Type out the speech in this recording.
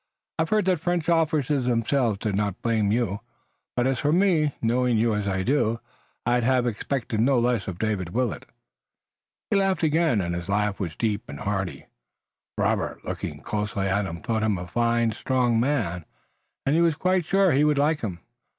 "I've heard that French officers themselves did not blame you, but as for me, knowing you as I do, I'd have expected no less of David Willet." He laughed again, and his laugh was deep and hearty. Robert, looking closely at him, thought him a fine, strong man, and he was quite sure he would like him.